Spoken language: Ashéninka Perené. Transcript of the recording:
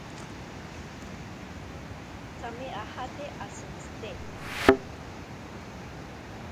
Tsame ajate ashintsite.